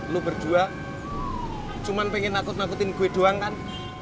lu berdua cuma pengen nakut nakutin gue doang kan